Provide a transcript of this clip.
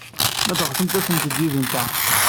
Ma teɣsemt, asemt-d yid-nteɣ.